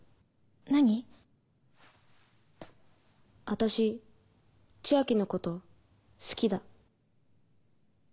私千昭のこと好きだ。